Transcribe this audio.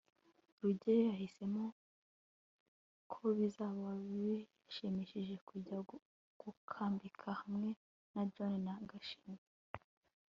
rugeyo yahisemo ko bizaba bishimishije kujya gukambika hamwe na john na gashinzi